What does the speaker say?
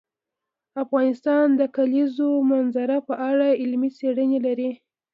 افغانستان د د کلیزو منظره په اړه علمي څېړنې لري.